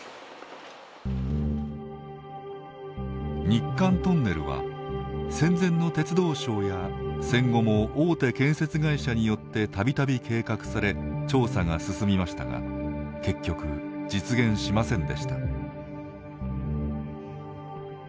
日韓トンネルは戦前の鉄道省や戦後も大手建設会社によってたびたび計画され調査が進みましたが結局、実現しませんでした。